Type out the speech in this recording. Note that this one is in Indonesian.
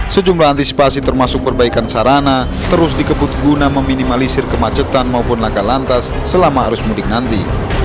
sejumlah antisipasi termasuk perbaikan sarana terus dikebut guna meminimalisir kemacetan maupun laka lantas selama arus mudik nanti